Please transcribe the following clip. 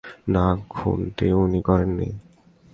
না, খুনটা উনি করেননি।